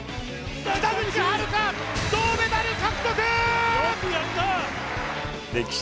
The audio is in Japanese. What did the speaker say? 北口榛花、銅メダル獲得！